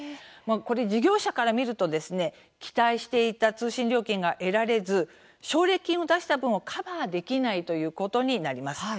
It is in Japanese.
事業者から見ると期待していた通信料金が得られず奨励金を出した分をカバーできないということになります。